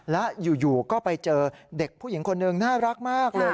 และอยู่ก็ไปเจอเด็กผู้หญิงคนหนึ่งน่ารักมากเลย